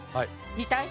見たい？